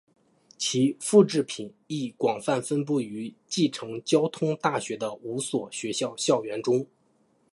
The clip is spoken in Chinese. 其复制品亦广泛分布于继承交通大学的五所学校校园中。